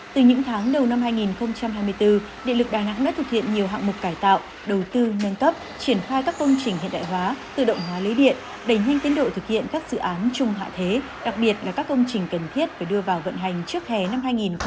từ những tháng đầu năm hai nghìn hai mươi bốn địa lực đà nẵng đã thực hiện nhiều hạng mục cải tạo đầu tư nâng cấp triển khai các công trình hiện đại hóa tự động hóa lưới điện đẩy nhanh tiến độ thực hiện các dự án chung hạ thế đặc biệt là các công trình cần thiết phải đưa vào vận hành trước hè năm hai nghìn hai mươi